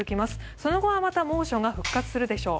その後はまた猛暑が復活するでしょう。